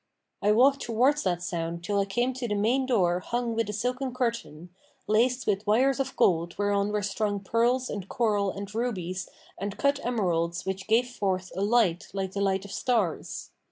I walked towards that sound till I came to the main door hung with a silken curtain, laced with wires of gold whereon were strung pearls and coral and rubies and cut emeralds which gave forth a light like the light of stars.